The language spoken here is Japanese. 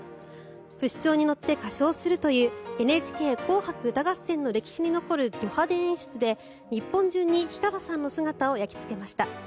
不死鳥に乗って歌唱するという「ＮＨＫ紅白歌合戦」の歴史に残るど派手演出で日本中に氷川さんの姿を焼きつけました。